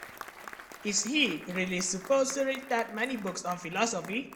Is he really supposed to read that many books on philosophy?